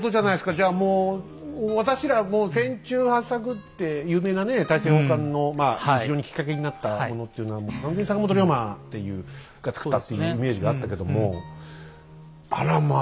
じゃあもう私らもう船中八策って有名なね大政奉還の非常にきっかけになったものっていうのはもう完全に坂本龍馬っていうが作ったっていうイメージがあったけどもあらまあ。